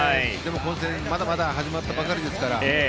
まだまだ始まったばかりですから。